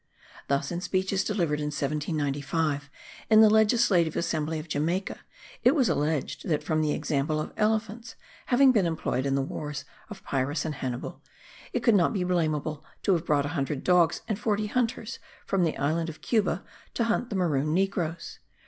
Thus, in speeches delivered in 1795, in the Legislative Assembly of Jamaica, it was alleged that from the example of elephants having been employed in the wars of Pyrrhus and Hannibal, it could not be blamable to have brought a hundred dogs and forty hunters from the island of Cuba to hunt the maroon negroes.